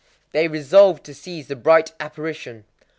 They resolved to seize the bright apparition.